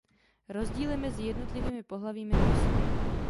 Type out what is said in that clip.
Rozdíly mezi jednotlivými pohlavími nejsou.